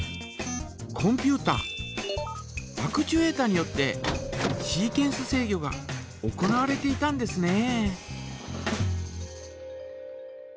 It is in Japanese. コンピュータアクチュエータによってシーケンス制御が行われていたんですね。